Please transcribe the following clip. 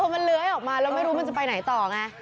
มันเลื้อยออกมาแล้วไม่รู้มันจะไปไหนต่อไง